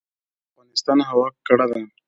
د افغانستان هوا ککړه ده